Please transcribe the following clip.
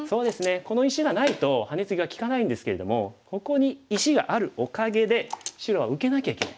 この石がないとハネツギが利かないんですけれどもここに石があるおかげで白は受けなきゃいけない。